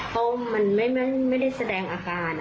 ก็เลยอัดคลิปบอกลูกค้าที่มาที่ร้านในช่วง๘๑๔เมษายน